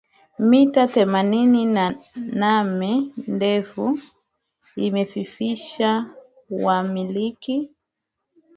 Mita themanini na name ndefu inafifisha wamiliki